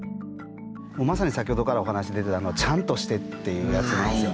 まさに先ほどからお話出てたちゃんとしてっていうやつなんですよね。